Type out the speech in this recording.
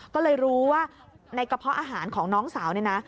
ก็เลยรู้ว่าในกระเพาะอาหารของน้องสาวเนี่ยนะ